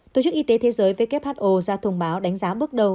tổ chức y tế thế giới who ra thông báo đánh giá bước đầu